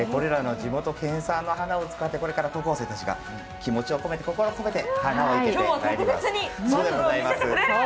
これらの地元県産の花を使ってこれから高校生たちが気持ち心を込めて花を生けていきます。